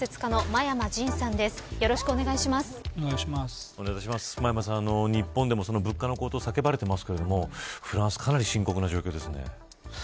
真山さん、日本でも物価の高騰叫ばれていますけどフランスかなり深刻な状況ですね。